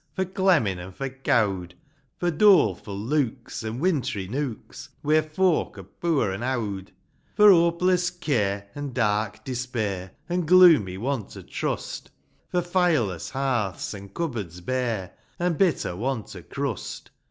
For clemmin' an' for cowd ; For doleful looks, an' wintry nooks, Where folk are poor an' owd ; For hopeless care an' dark despair, An' gloomy want o' trust ; For tireless hearths, an' cupboards bare, An' bitter want o' crust.